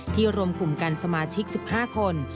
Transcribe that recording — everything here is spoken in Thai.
รวมกลุ่มกันสมาชิก๑๕คน